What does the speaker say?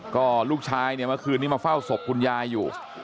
ก็ลูกชายเนี่ยเมื่อคืนนี้มาเฝ้าศพคุณยายอยู่